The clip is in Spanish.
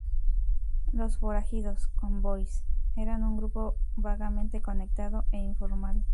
Los forajidos "Cowboys" eran un grupo vagamente conectado e informal.